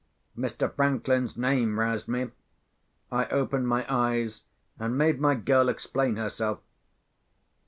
Mr. Franklin's name roused me. I opened my eyes, and made my girl explain herself.